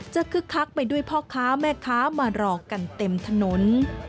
คึกคักไปด้วยพ่อค้าแม่ค้ามารอกันเต็มถนน